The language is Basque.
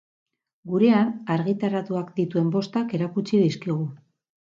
Gurean argitaratuak dituen bostak erakutsi dizkigu.